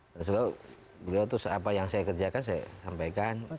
dan setelah itu beliau terus apa yang saya kerjakan saya sampaikan